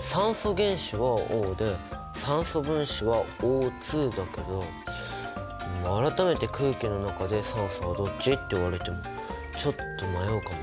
酸素原子はＯで酸素分子はＯだけど改めて空気の中で「酸素はどっち？」って言われてもちょっと迷うかも。